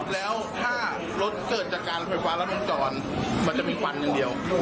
แล้วถ้ารถเสิร์ชจากการไฟฟ้าและรถมุมจ่อนมันจะมีฟันอย่างเดียว